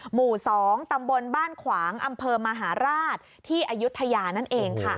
หมู่๒ตำบลบ้านขวางอำเภอมหาราชที่อายุทยานั่นเองค่ะ